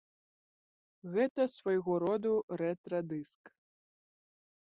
Гэта свайго роду рэтра-дыск.